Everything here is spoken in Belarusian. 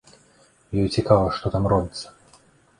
Ёй цікава, што там робіцца.